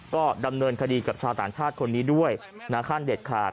ก็ดำเนินคดีกับชาวต่างชาติคนนี้ด้วยนะขั้นเด็ดขาด